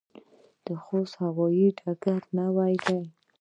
د خوست هوايي ډګر نوی دی